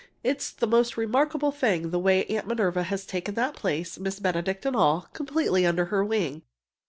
It's the most remarkable thing the way Aunt Minerva has taken that place Miss Benedict and all completely under her wing!